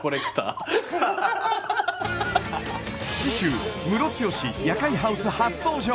次週ムロツヨシ夜会ハウス初登場